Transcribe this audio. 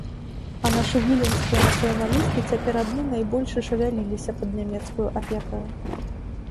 А нашы віленскія нацыяналісты цяпер адны найбольш і шавяліліся пад нямецкаю апекаю.